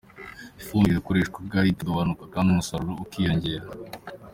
Ifumbire yakoreshwaga ikagabanuka, kandi umusaruro ukiyongera.